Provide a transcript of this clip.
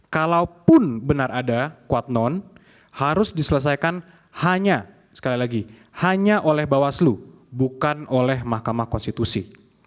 kalaupun benar ada kuat non harus diselesaikan hanya sekali lagi hanya oleh bawaslu bukan oleh mahkamah konstitusi